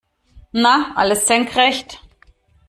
Na, alles senkrecht?